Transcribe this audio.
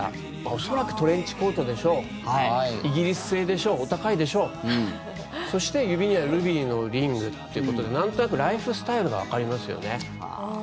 恐らくトレンチコートでしょうイギリス製でしょうお高いでしょうそして指には「ルビーのリング」ということでライフスタイルがわかりますよね。